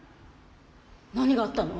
何があったの？